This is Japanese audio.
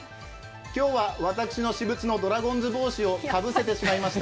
今日は私の私物のドラゴンズ帽子をかぶせてしまいました。